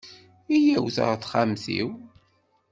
Iyyawet ɣer texxamt-iw.